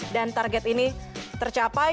dan target ini tercapai